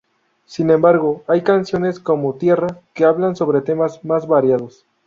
Sin embargo, hay canciones como "Tierra" que hablan sobre temas más variados.